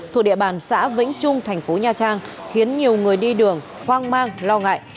thuộc địa bàn xã vĩnh trung thành phố nha trang khiến nhiều người đi đường hoang mang lo ngại